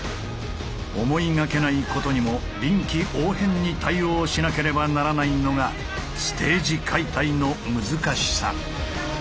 思いがけないことにも臨機応変に対応しなければならないのがステージ解体の難しさ。